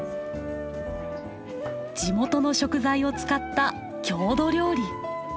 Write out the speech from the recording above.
地元の食材を使った郷土料理。